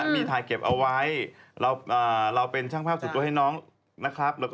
มีถ่ายเก็บเอาไว้เราเป็นช่างภาพส่วนตัวให้น้องนะครับ